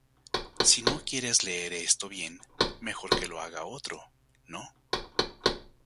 Si no quieres leer esto bien, mejor que lo haga otro, ¿no?